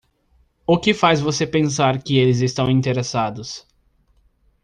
O que faz você pensar que eles estão interessados??